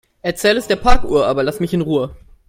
Erzähl es der Parkuhr, aber lass mich in Ruhe.